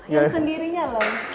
yang sendirinya loh